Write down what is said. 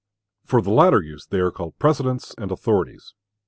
For the latter use they are called "precedents" and "authorities."